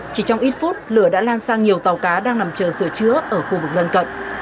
chỉ trong ít phút lửa đã lan sang nhiều tàu cá đang nằm chờ sửa chữa ở khu vực lân cận